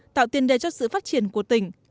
tạo tiền đề cho sự phát triển của tỉnh